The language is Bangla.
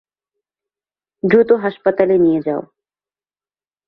দ্রুত হাসপাতালে নিয়ে যাও।